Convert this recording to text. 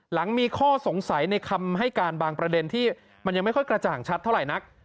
หลังมีข้อสงสัยในคำให้การบางประเด็นที่มันยังไม่ค่อยกระจ่างชัดเท่าไหร่นัก